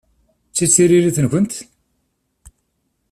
D ta i d tiririt-nkent?